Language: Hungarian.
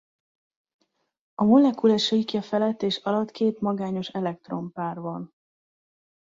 A molekula síkja felett és alatt két magányos elektronpár van.